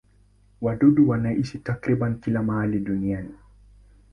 Wadudu wanaishi takriban kila mahali duniani.